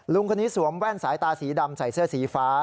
ลุงคนนี้สวมแว่นสายตาสีดำใส่เสื้อสีฟ้า